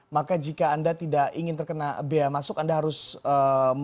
maka jika anda tidak ingin terkena bea masuk anda harus mencari